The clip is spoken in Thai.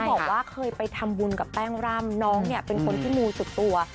บอกว่าเคยไปทำบุญกับแป้งร่ำน้องเนี่ยเป็นคนที่มูสุดตัว